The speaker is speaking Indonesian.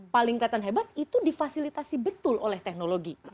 paling kelihatan hebat itu difasilitasi betul oleh teknologi